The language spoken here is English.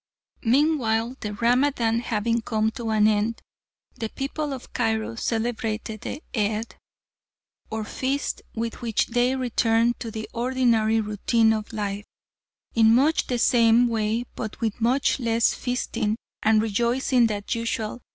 Meanwhile the Ramadan having come to an end, the people of Cairo celebrated the Eed, or feast with which they return to the ordinary routine of life, in much the same way but with much less feasting and rejoicing than usual.